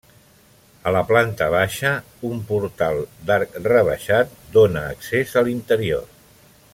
A la planta baixa, un portal d'arc rebaixat dóna accés a l'interior.